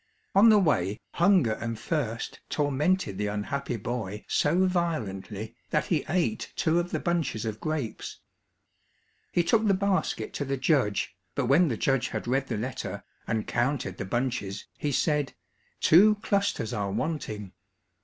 On the way hunger and thirst tormented the unhappy boy so violently that he ate two of the bunches of grapes. He took the basket to the judge, but when the judge had read the letter, and counted the bunches he said, "Two clusters are wanting."